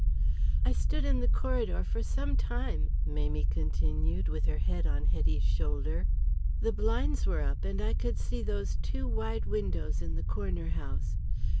"I stood in the corridor for some time," Mamie continued with her head on Hetty's shoulder. "The blinds were up and I could see those two wide windows in the Corner House.